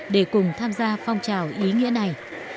để cùng tham gia phong trào ý nghĩa này